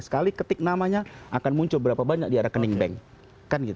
sekali ketik namanya akan muncul berapa banyak di rekening bank